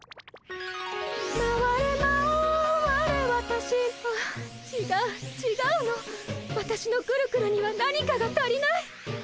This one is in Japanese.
まわれまわれわたしああちがうちがうのわたしのくるくるには何かが足りない。